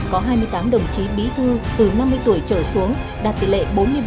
có hai mươi tám đồng chí bí thư từ năm mươi tuổi trở xuống đạt tỷ lệ bốn mươi ba